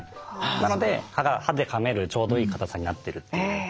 なので歯でかめるちょうどいい硬さになってるっていう。